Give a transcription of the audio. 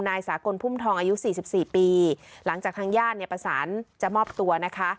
นายสากลพุ่มทองอายุสี่สิบสี่ปีหลังจากทางญาติเนี่ยประสานจะมอบตัวนะคะ